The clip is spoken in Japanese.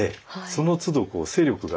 そのつど勢力が。